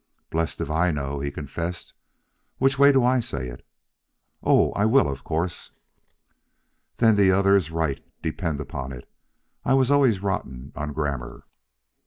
"Blessed if I know," he confessed. "Which way do I say it?" "Oh, I will, of course." "Then the other is right, depend upon it. I always was rotten on grammar."